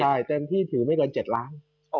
ใช่เต็มที่ถือไม่เกิน๗ล้าน